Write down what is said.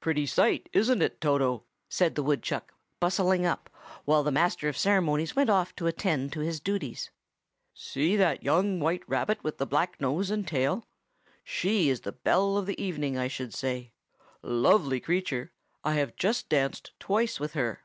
"Pretty sight, isn't it, Toto?" said the woodchuck, bustling up, while the master of ceremonies went off to attend to his duties. "See that young white rabbit with the black nose and tail? She is the belle of the evening, I should say. Lovely creature! I have just danced twice with her."